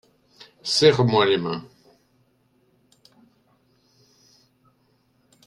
Serre-moi les mains !